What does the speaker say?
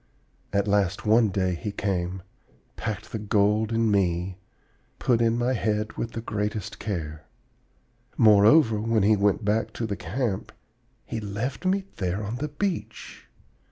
At last one day he came, packed the gold in me, and put in my head with the greatest care. Moreover, when he went back to the camp, he left me there on the beach!